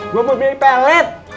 gue mau beli pelet